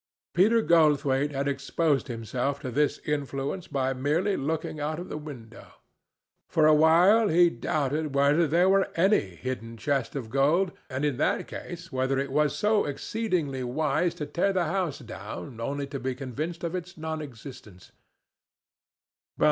Peter Goldthwaite had exposed himself to this influence by merely looking out of the window. For a while he doubted whether there were any hidden chest of gold, and in that case whether it was so exceedingly wise to tear the house down only to be convinced of its non existence.